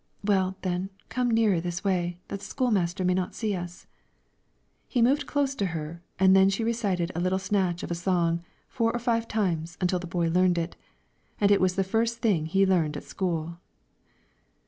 "Well, then, come nearer this way, that the school master may not see us." He moved close to her, and then she recited a little snatch of a song, four or five times, until the boy learned it, and it was the first thing he learned at school.